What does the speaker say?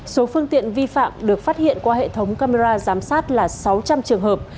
số phương tiện vi phạm được phát hiện qua hệ thống camera giám sát là sáu trăm linh trường hợp